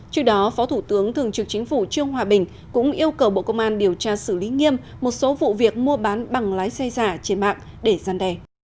trước đó phó thủ tướng thường trực chính phủ trương hòa bình cũng yêu cầu bộ công an điều tra xử lý nghiêm một số vụ việc mua bán bằng lái xe giả trên mạng để gian đe